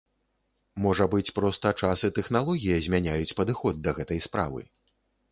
Можа быць проста час і тэхналогія змяняюць падыход да гэтай справы.